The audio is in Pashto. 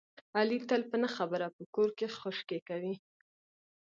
علي تل په نه خبره په کور کې خشکې کوي.